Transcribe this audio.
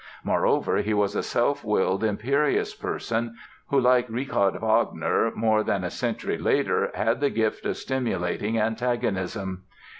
Moreover, he was a self willed, imperious person, who, like Richard Wagner more than a century later, had the gift of stimulating antagonism.